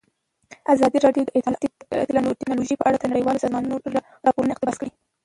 ازادي راډیو د اطلاعاتی تکنالوژي په اړه د نړیوالو سازمانونو راپورونه اقتباس کړي.